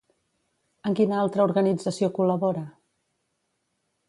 En quina altra organització col·labora?